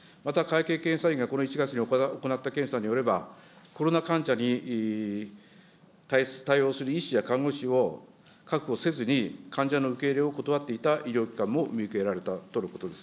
また会計検査院がこの１月に行った検査によれば、コロナ患者に対応する医師や看護師を確保せずに、患者の受け入れを断っていた医療機関も見受けられたとのことです。